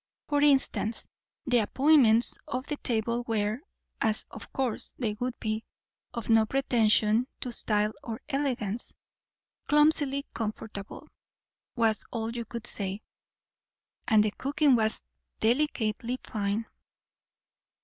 For instance, the appointments of the table were, as of course they would be, of no pretension to style or elegance; clumsily comfortable, was all you could say. And the cooking was delicately fine.